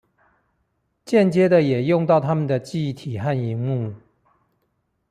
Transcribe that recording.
間接地也用到他們的記憶體和螢幕